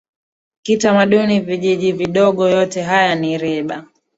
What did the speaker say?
kitamaduni vijiji vidogo yote haya ni ya riba